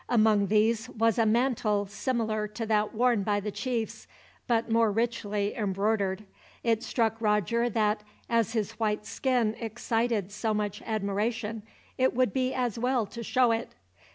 Among these was a mantle similar to that worn by the chiefs, but more richly embroidered. It struck Roger that, as his white skin excited so much admiration, it would be as well to show it.